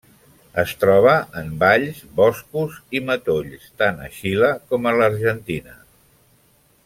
Es troba en valls, boscos i matolls, tant a Xile com a l'Argentina.